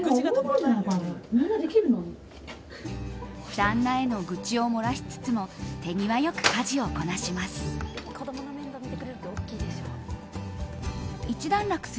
旦那への愚痴を漏らしつつも手際よく家事をこなします。